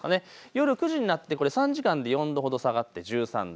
夜９時になって３時間で４度ほど下がって１３度。